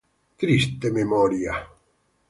Triste Memoria"...